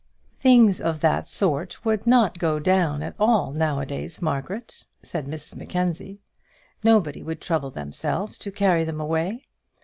"Things of that sort would not go down at all now a days, Margaret," said Mrs Mackenzie. "Nobody would trouble themselves to carry them away.